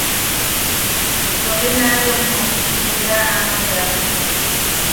Nobenaariompo ne kaa a weama.